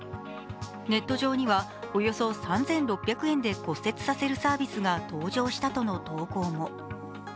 ネット上にはおよそ３６００円で骨折させるサービスが登場したとの投稿も。